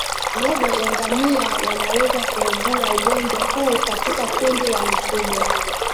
Robo ya ngamia wanaweza kuugua ugonjwa huu katika kundi la mifugo